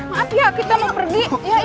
maaf ya kita mau pergi